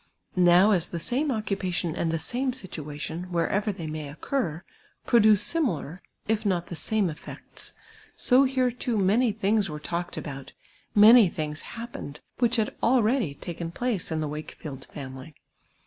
Now as the same occupation and the same situation, whereyer they may occur, i)roducc similar, if not the same effects, so here too many things were talked about, many things happened, which had already taken place in the Wakefield family.